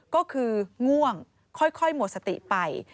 ก็คือง่วงค่อยหมดสติไป